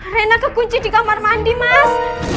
enak kekunci di kamar mandi mas